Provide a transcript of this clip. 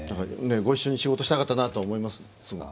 ご一緒に仕事したかったなと思います。